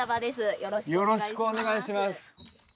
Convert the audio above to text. よろしくお願いします